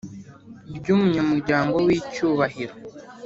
Ry umunyamuryango w icyubahiro